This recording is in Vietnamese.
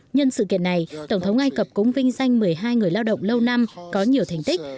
nhân sự kiện này tổng thống ai cập cũng vinh danh một mươi hai người lao động lâu năm có nhiều thành tích